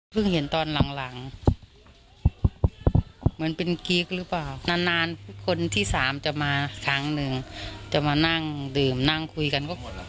เห็นตอนหลังเหมือนเป็นกิ๊กหรือเปล่านานนานคนที่สามจะมาครั้งหนึ่งจะมานั่งดื่มนั่งคุยกันก็